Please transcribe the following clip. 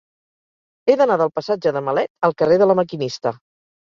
He d'anar del passatge de Malet al carrer de La Maquinista.